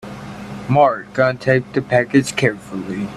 Mark untaped the package carefully.